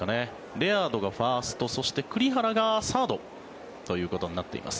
レアードがファーストそして栗原がサードということになっています。